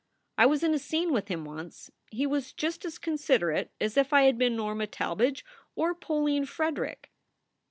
I was in a scene with him once; he was just as considerate as if I had been Norma Talmadge or Pauline Frederick."